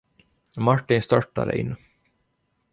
Martin störtade in.